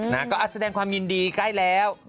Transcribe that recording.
นะก็แสดงความยินดีใกล้แล้ว